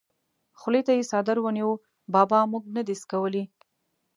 خولې ته یې څادر ونیو: بابا مونږ نه دي څکولي!